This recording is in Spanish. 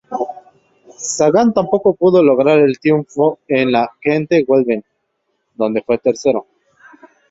Sagan tampoco pudo lograr el triunfo en la Gante-Wevelgem donde fue tercero.